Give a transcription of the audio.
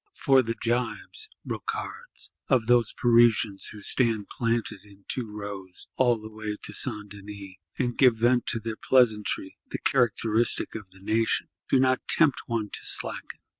For the jibes (brocards) of those Parisians, who stand planted in two rows, all the way to St. Denis, and "give vent to their pleasantry, the characteristic of the nation," do not tempt one to slacken.